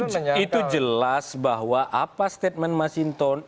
tidak itu jelas bahwa apa statement mas inton